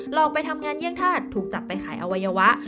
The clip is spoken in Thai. อกไปทำงานเยี่ยงธาตุถูกจับไปขายอวัยวะ